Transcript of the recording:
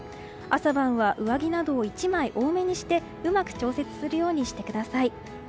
朝晩は上着などを１枚多めにしてうまく調節するようにしてください。